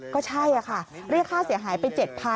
ก็ใช่ค่ะเรียกค่าเสียหายไป๗๐๐